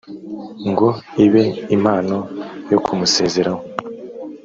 ngo ibe impano yo kumusezeraho